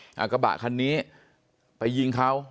เอากระบะคันนี้ไปยิงเขา